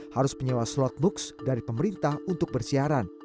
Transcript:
harus menyewa slot box dari pemerintah untuk bersiaran